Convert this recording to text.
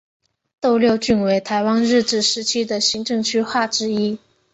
斗六郡为台湾日治时期的行政区划之一。